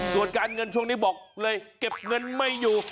ส่วนการเงินช่วงนี้บอกเลยเก็บเงินไม่อยู่